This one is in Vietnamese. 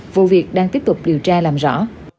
vụ việc đang tiếp tục điều tra làm rõ